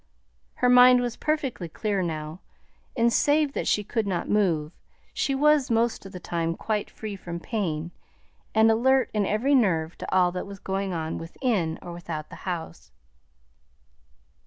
Her mind was perfectly clear now, and, save that she could not move, she was most of the time quite free from pain, and alert in every nerve to all that was going on within or without the house.